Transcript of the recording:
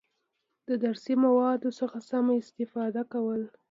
د درسي موادو څخه سمه استفاده کول،